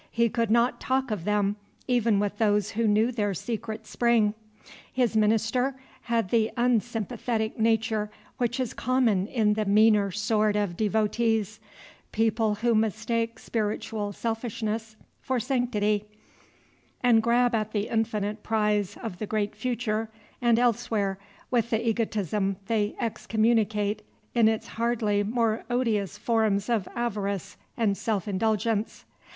He could not talk of them even with those who knew their secret spring. His minister had the unsympathetic nature which is common in the meaner sort of devotees, persons who mistake spiritual selfishness for sanctity, and grab at the infinite prize of the great Future and Elsewhere with the egotism they excommunicate in its hardly more odious forms of avarice and self indulgence.